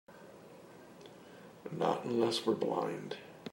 Not unless we're blind.